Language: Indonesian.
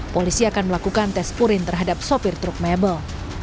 polisi akan melakukan tes purin terhadap sopir truk mebel